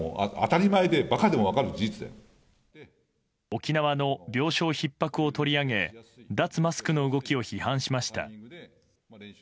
沖縄の病床ひっ迫を取り上げ脱マスクの動きを批判しました。